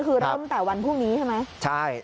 คือเริ่มตั้งแต่วันพรุ่งนี้ใช่ไหม